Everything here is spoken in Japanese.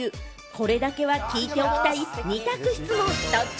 これだけは聞いておきたい、二択質問ドッチ？